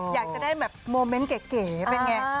อยากจะได้แบบโมเมนต์เก๋เป็นไง